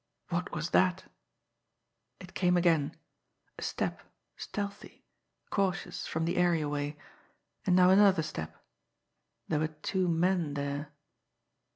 What was that? It came again a step, stealthy, cautious, from the areaway and now another step there were two men there.